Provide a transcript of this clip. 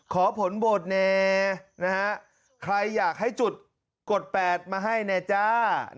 ขอผลบทเนใครอยากให้จุดกด๘มาให้เนจ้า